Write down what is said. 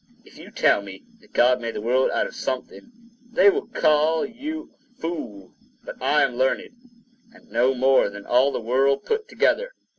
If you tell them that God made the world out of something, they will call you a fool. But I am learned, and know more than all the world put together.